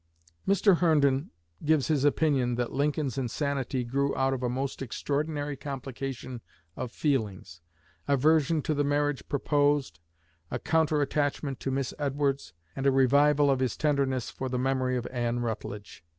Mr. Herndon gives as his opinion that Lincoln's insanity grew out of a most extraordinary complication of feelings aversion to the marriage proposed, a counter attachment to Miss Edwards, and a revival of his tenderness for the memory of Anne Rutledge.